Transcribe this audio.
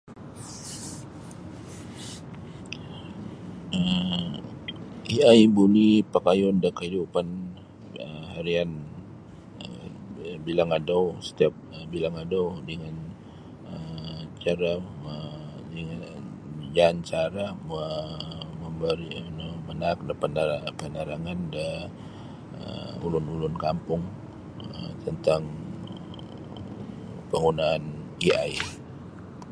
um AI buli pakayun da kaidupan um harian um bilang adau setiap bilang adau dengan um cara ma dengan cara kuo memberi manaak da panarangan da ulun-ulun kampung tentang penggunaan AI.